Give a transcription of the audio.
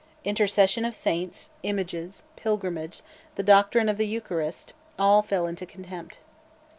Intercession of saints, images, pilgrimages, the doctrine of the Eucharist, all fell into contempt.